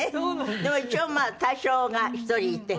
でも一応まあ大正が１人いて。